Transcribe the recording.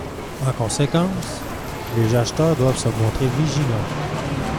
En conséquence, les acheteurs doivent se montrer vigilants.